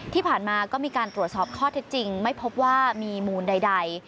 ที่ผ่านมาก็มีการตรวจสอบข้อเท็จจริงไม่พบว่ามีมูลใด